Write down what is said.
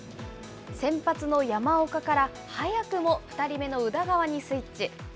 先発の山岡から早くも２人目の宇田川にスイッチ。